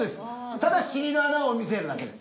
ただ尻の穴を見せるだけです。